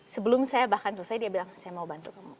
sebelum saya bahkan selesai dia bilang saya mau bantu kamu